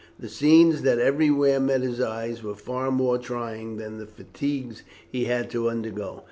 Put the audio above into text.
The scenes that everywhere met his eyes were far more trying than the fatigues he had to undergo.